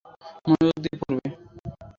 মনোযোগ দিয়ে পড়বে।